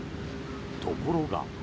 ところが。